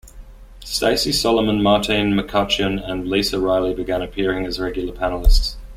Stacey Solomon, Martine McCutcheon and Lisa Riley began appearing as regular panellists.